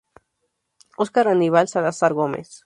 Oscar Aníbal Salazar Gómez.